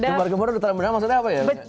gembar gembor terang benderang maksudnya apa ya